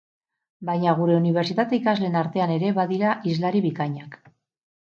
Baina, gure unibertsitate ikasleen artean ere badira hizlari bikainak.